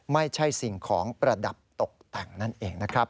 ไม่ใช่สิ่งของประดับตกแต่งนั่นเองนะครับ